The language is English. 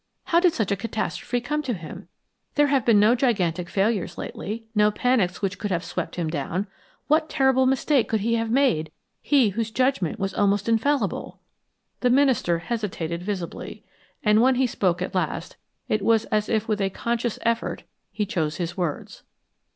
How did such a catastrophe come to him? There have been no gigantic failures lately, no panics which could have swept him down. What terrible mistake could he have made, he whose judgment was almost infallible?" The minister hesitated visibly, and when he spoke at last, it was as if with a conscious effort he chose his words.